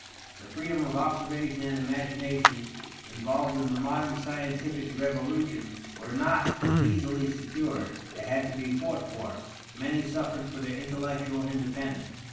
The freedom of observation and imagination involved in the modern scientific revolution were not easily secured; they had to be fought for; many suffered for their intellectual independence.